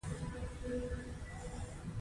تولیدي اړیکې د پرمختګ مخه نیوله.